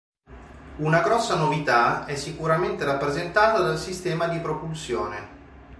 Una grossa novità è sicuramente rappresentata dal sistema di propulsione.